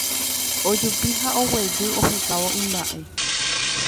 ojupi ha guejy ohekávo imba'e